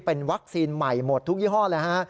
เป็นวัคซีนใหม่หมดทุกยี่ห้อเลยฮะ